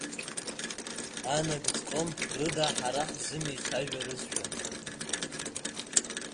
Анагӡком рыда ҳара ҳзымеицәажәарызшәа.